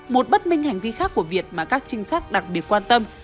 một bất minh hành vi khác của việt mà các trinh sát đặc biệt quan tâm